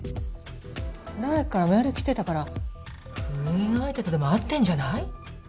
誰かからメール来てたから不倫相手とでも会ってるんじゃない？